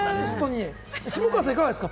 下川さんはいかがですか？